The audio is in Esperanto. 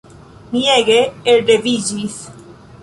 Mi ege elreviĝis.